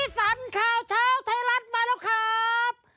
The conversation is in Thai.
สันข่าวเช้าไทยรัฐมาแล้วครับ